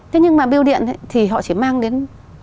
thế nhưng mà biêu điện thì họ chỉ mang đến